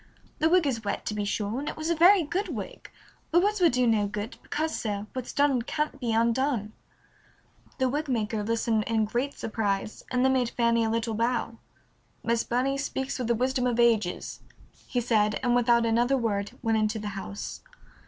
The wig is wet, to be sure, and it was a very good wig, but words will do no good, because, sir, what's done can't be undone." The wig maker listened in great surprise, and then made Fanny a little bow. "Miss Burney speaks with the wisdom of ages," he said, and without another word went into the house.